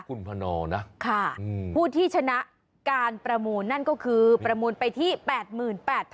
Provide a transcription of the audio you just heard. คุณพนนะค่ะผู้ที่ชนะการประมูลนั่นก็คือประมูลไปที่๘๘๐๐๐